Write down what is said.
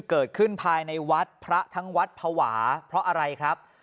เกิดขึ้นภายในวัดพระทั้งวัดภาวะเพราะอะไรครับ